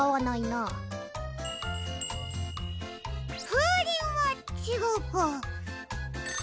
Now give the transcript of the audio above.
ふうりんはちがうか。